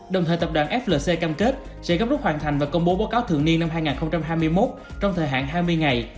đồng thời tập đoàn flc cam kết sẽ gấp rút hoàn thành và công bố báo cáo thường niên năm hai nghìn hai mươi một trong thời hạn hai mươi ngày